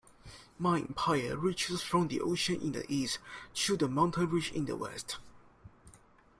My empire reaches from the ocean in the East to the mountain ridge in the West.